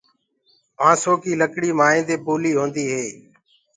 بآسو ڪو وڻ مآئينٚ دي پولو هوندو هي۔